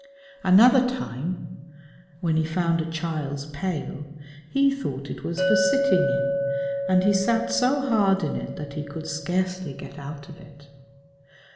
Another time, when he found a child's pail, he thought it was for sitting in, and he sat so hard in it that he could scarcely get out of it.